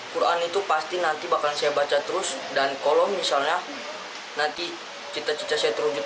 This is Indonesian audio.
quran itu pasti nanti bakal saya baca terus dan kalau misalnya nanti cita cita saya terujud